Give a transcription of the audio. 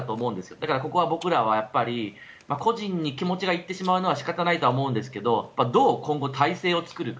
だからここは僕ら個人に気持ちが行ってしまうのは仕方ないとは思うんですがどう今後、体制を作るか。